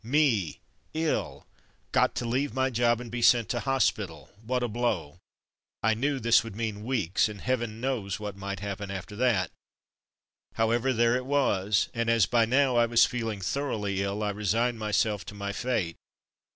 Me, iU! Got to leave my job and be sent to hospital — ^what a blow! I knew this would mean weeks, and heaven knows what might happen after that. However, there it was, and as by now I was feeling thoroughly ill I resigned my self to my fate.